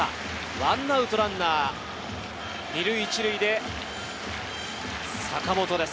１アウトランナー２塁１塁で、坂本です。